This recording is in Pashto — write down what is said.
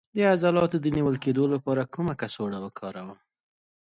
د عضلاتو د نیول کیدو لپاره کومه کڅوړه وکاروم؟